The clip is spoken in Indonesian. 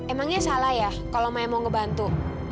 emangnya salah ya kalau mau ngebantu